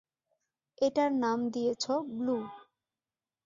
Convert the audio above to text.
এটার নাম দিয়েছ ব্লু।